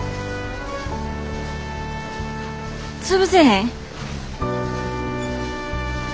潰せへん。